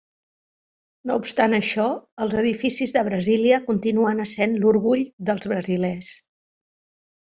No obstant això, els edificis de Brasília continuen essent l'orgull dels brasilers.